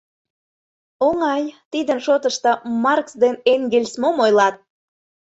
Оҥай, тидын шотышто Маркс ден Энгельс мом ойлат».